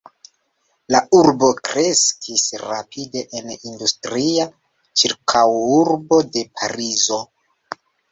La urbo kreskis rapide en industria ĉirkaŭurbo de Parizo.